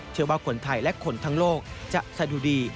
เชื่อว่าคนไทยและคนทั้งโลกจะสะดุดี